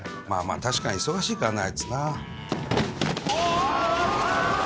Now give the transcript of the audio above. まあまあ確かに忙しいからなあいつな。